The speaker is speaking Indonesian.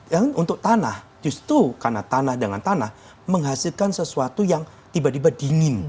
dan untuk tanah justru karena tanah dengan tanah menghasilkan sesuatu yang tiba tiba dingin